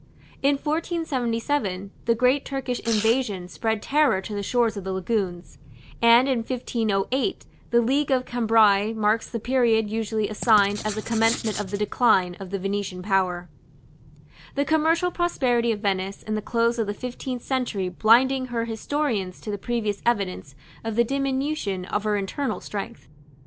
In 1477, the great Turkish invasion spread terror to the shores of the lagoons; and in 1508 the league of Cambrai marks the period usually assigned as the commencement of the decline of the Venetian power; the commercial prosperity of Venice in the close of the fifteenth century blinding her historians to the previous evidence of the diminution of her internal strength.